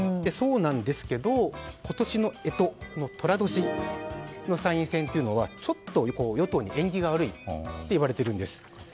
そうなんですが今年の干支の寅年の参院選というのはちょっと与党に縁起が悪いと言われているんです。